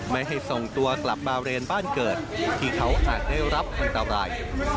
ไม่ให้ส่งตัวกลับมาเรนบ้านเกิดที่เขาอาจได้รับอันตราย